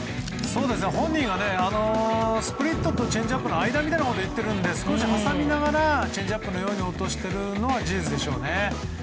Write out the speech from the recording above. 本人はスプリットとチェンジアップの間みたいなことを言ってるんで、少し挟みながらチェンジアップのように落としているんでしょうね。